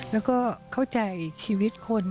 แล้วก็เข้าใจชีวิตคน